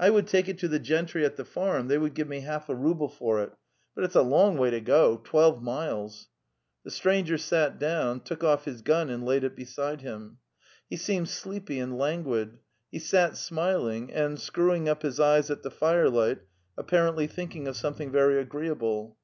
I would take it to the gen try at the farm; they would give me half a rouble for it. But it's a long way to go — twelve miles! " The stranger sat down, took off his gun and laid it beside him. He seemed sleepy and languid; he sat smiling, and, screwing up his eyes at the firelight, apparently thinking of something very agreeable.